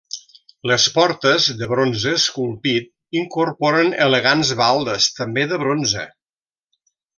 Les portes de bronze esculpit incorporen elegants baldes també de bronze.